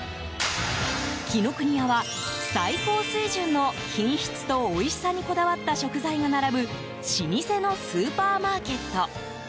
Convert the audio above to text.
紀ノ國屋は最高水準の品質とおいしさにこだわった食材が並ぶ老舗のスーパーマーケット。